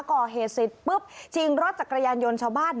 ก่อเหตุสิทธิ์ปุ๊บชิงรถจากกระยานยนต์ชาวบ้าน